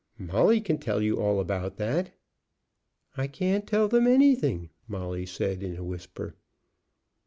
"Molly can tell you all about that." "I can't tell them anything," Molly said in a whisper.